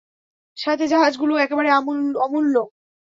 সাথে জাহাজগুলোও একেবারে অমূল্য।